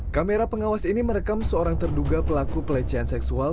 kamera pengawas ini merekam seorang terduga pelaku pelecehan seksual